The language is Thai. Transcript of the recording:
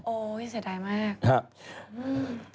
โอ้ยเสียดายมาก